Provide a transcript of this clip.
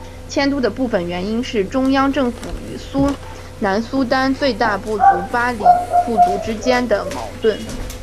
迁都的部分原因是中央政府与南苏丹最大部族巴里部族之间的矛盾。